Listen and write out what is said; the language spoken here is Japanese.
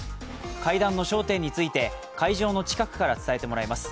会談の焦点について、会場の近くから伝えてもらいます。